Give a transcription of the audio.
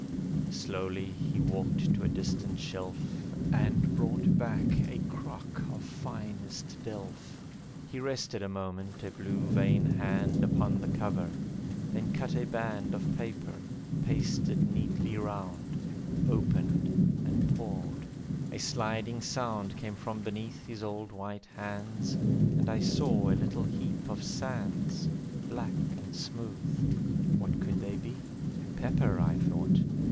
Slowly he walked to a distant shelf, And brought back a crock of finest delf. He rested a moment a blue veined hand Upon the cover, then cut a band Of paper, pasted neatly round, Opened and poured. A sliding sound Came from beneath his old white hands, And I saw a little heap of sands, Black and smooth. What could they be: "Pepper," I thought.